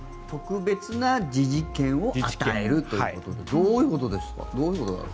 特別な自治権を与えるということでどういうことですか？